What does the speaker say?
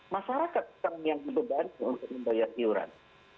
masyarakat yang dibebani untuk membayar iuran